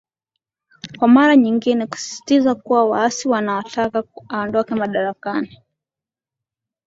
kwa mara nyingine kusisitiza kuwa waasi wanaotaka aondoke madarakani